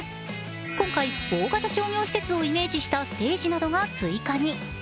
今回、大型商業施設をイメージしたステージなどが追加に。